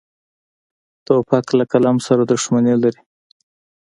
توپک له قلم سره دښمني لري.